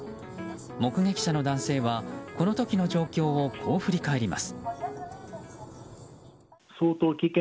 目撃者の男性はこの時の状況をこう振り返ります。